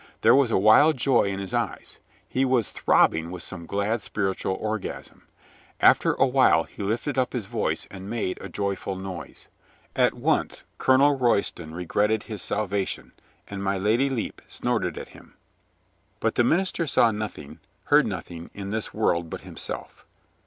There was a wild joy in his eyes. He was throbbing with some glad spir itual orgasm. After a while he lifted up his voice and made a joyful noise. At once Colonel Royston regretted his salvation, and my Lady Lepe snorted at him. But the minister saw nothing, heard noth ing in this world but himself.